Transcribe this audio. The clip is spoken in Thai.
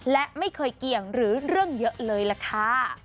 และไม่เคยเกี่ยงหรือเรื่องเยอะเลยล่ะค่ะ